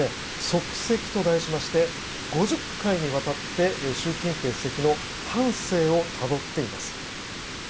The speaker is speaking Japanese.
「足跡」と題しまして５０回にわたって習主席の半生をたどっています。